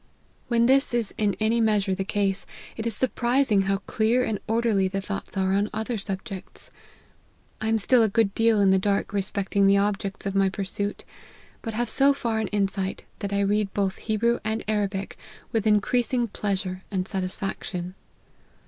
When this is in any measure the case, it is surprising how clear and orderly the thoughts are on other subjects. I am still a good deal in the dark respecting the objects of my pur suit ; but have so far an insight, that I read both Hebrew and Arabic with increasing pleasure and satisfaction."